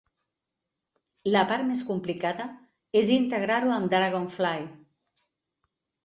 La part més complicada és integrar-ho amb Dragonfly.